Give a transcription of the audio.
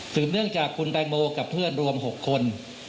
เนื่องจากคุณแตงโมกับเพื่อนรวม๖คน